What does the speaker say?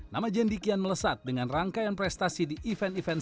nama jendi kian melesat dengan rangkaian prestasi di event event